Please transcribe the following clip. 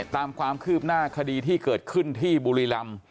ตามความคืบหน้าคดีที่เกิดขึ้นที่บุรีรำ